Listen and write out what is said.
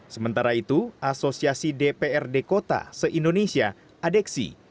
sementara itu asosiasi dprd kota se indonesia adeksi